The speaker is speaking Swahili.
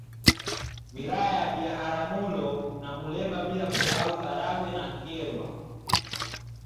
Wilaya ya Biharamulo na Muleba bila kusahau Karagwe na Kyerwa